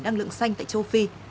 năng lượng xanh tại châu phi